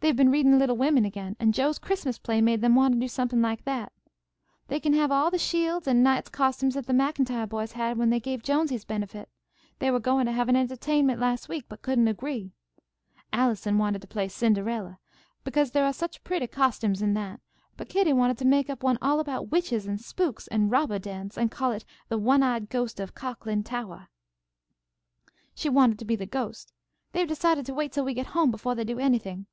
"They've been readin' 'Little Women' again, and Jo's Christmas play made them want to do something like that. They can have all the shields and knights' costumes that the MacIntyre boys had when they gave Jonesy's benefit. They were going to have an entahtainment last week, but couldn't agree. Allison wanted to play 'Cinda'ella,' because there are such pretty costumes in that, but Kitty wanted to make up one all about witches and spooks and robbah dens, and call it 'The One Eyed Ghost of Cocklin Tower.' "She wanted to be the ghost. They've decided to wait till we get home befo' they do anything."